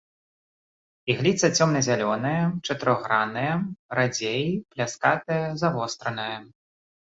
Ігліца цёмна-зялёная, чатырохгранная, радзей, пляскатая, завостраная.